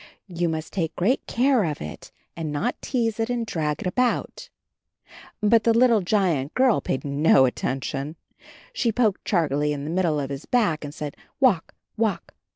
"You must take great care of it, and not tease it and drag it about." But the little giant girl paid no attention. She poked Charlie in the middle of his back and said, "Walk, walk."